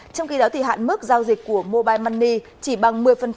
trong khi đó thì hạn mức giao dịch của mobile money chỉ bằng một mươi